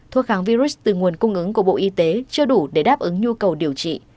thuốc kháng virus từ nguồn cung ứng của bộ y tế chưa đủ để đáp ứng nhu cầu điều trị